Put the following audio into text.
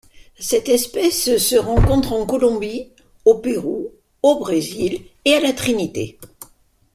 Cette espèce se rencontre en Colombie, au Pérou, au Brésil et à la Trinité.